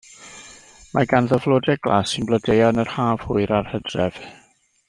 Mae ganddo flodau glas sy'n blodeuo yn yr haf hwyr a'r hydref.